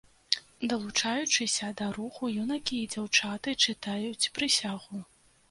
Далучаючыся да руху, юнакі і дзяўчаты чытаюць прысягу.